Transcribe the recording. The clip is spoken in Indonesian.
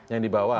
yang di bawah